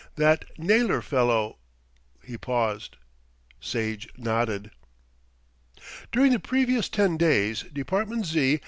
"That Naylor fellow " He paused. Sage nodded. During the previous ten days Department Z.